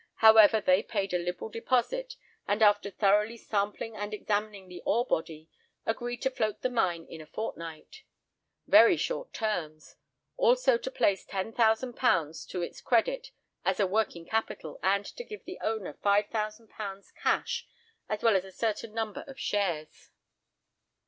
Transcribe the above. However, they paid a liberal deposit, and, after thoroughly sampling and examining the ore body, agreed to float the mine in a fortnight. Very short terms! Also to place £10,000 to its credit as a working capital, and to give the owner £5,000 cash as well as a certain number of shares.